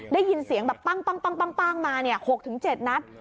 ได้ยินเสียงแบบปั้งมา๖๗นัด